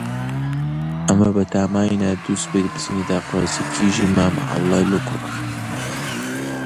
ئەمە بەتاماینە دووسبەی بچینە داخوازیی کیژی مام عەوڵای لۆ کوڕەکەم.